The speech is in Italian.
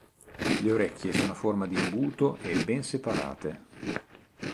Le orecchie sono a forma di imbuto e ben separate.